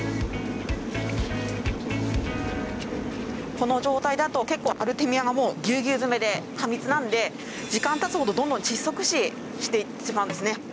この状態だと結構アルテミアがもうぎゅうぎゅう詰めで過密なんで時間たつほどどんどん窒息死していってしまうんですね。